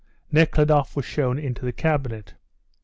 Nekhludoff was shown into the cabinet.